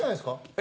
え？